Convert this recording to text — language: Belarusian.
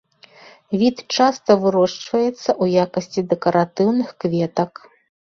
Від часта вырошчваецца ў якасці дэкаратыўных кветак.